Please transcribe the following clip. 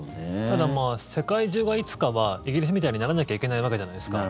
ただ、世界中がいつかはイギリスみたいにならなきゃいけないわけじゃないですか。